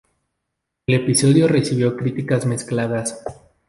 El episodio recibió críticas mezcladas.